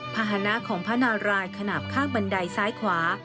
ภาษณะของพระนารายขนาดข้างบันไดซ้ายขวา